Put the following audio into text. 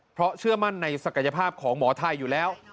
เพราะเชื่อมั่นในศักยภาพของหมอไทยอยู่แล้ว